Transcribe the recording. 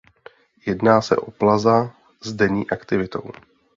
Jedná se o plaza s denní aktivitou.